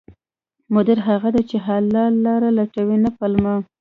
مدیر هغه دی چې حل لارې لټوي، نه پلمه